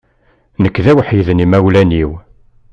Nekk d awḥid n imawlan-iw.